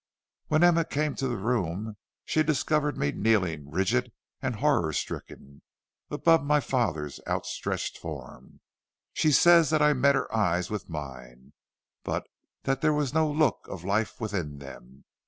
"When Emma came to the room she discovered me kneeling, rigid and horror stricken, above my father's outstretched form. She says that I met her eyes with mine, but that there was no look of life within them.